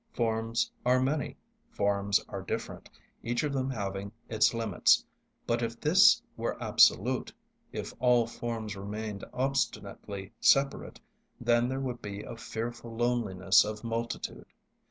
Forms are many, forms are different, each of them having its limits. But if this were absolute, if all forms remained obstinately separate, then there would be a fearful loneliness of multitude.